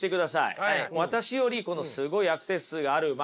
私よりこのすごいアクセス数があるま